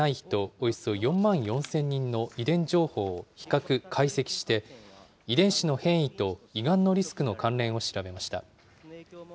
およそ４万４０００人の遺伝情報を比較・解析して、遺伝子の変異と胃がんのリスクの関連を調べました。